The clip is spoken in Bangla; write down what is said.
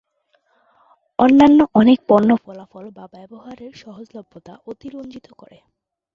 অন্যান্য অনেক পণ্য ফলাফল বা ব্যবহারের সহজলভ্যতা অতিরঞ্জিত করে।